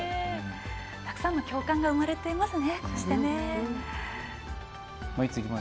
たくさんの共感が生まれていますね。